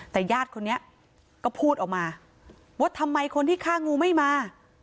แต่ญาติคนนี้ก็พูดออกมาว่าทำไมคนที่ฆ่างูไม่มา